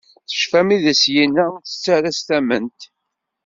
Yecfa mi i d as-yenna ur tett ala s tamment.